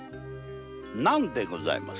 なんでございますか？